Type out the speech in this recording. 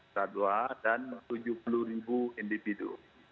satwa dan tujuh puluh ribu individu